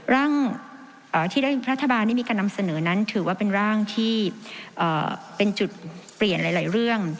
ร่างที่รัฐบาลได้มีการนำเสนอนั้นถือว่าเป็นร่างที่เป็นจุดเปลี่ยนหลายเรื่อง